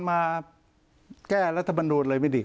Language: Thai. มาแก้รัฐบรรมศูนย์เลยไม่ดี